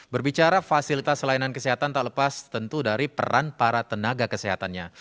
berbicara fasilitas layanan kesehatan tak lepas tentu dari peran para tenaga kesehatannya